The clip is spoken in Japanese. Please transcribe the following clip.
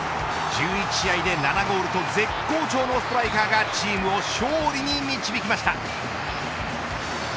１１試合で７ゴールと絶好調のストライカーがチームを勝利に導きました。